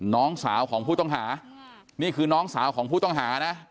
น้องสาวของผู้ต้องหานี่คือน้องสาวของผู้ต้องหานะ